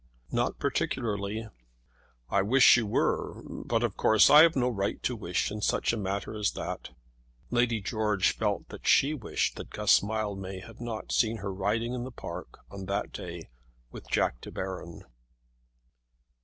"Not particularly." "I wish you were. But, of course, I have no right to wish in such a matter as that." Lady George felt that she wished that Guss Mildmay had not seen her riding in the park on that day with Jack De Baron.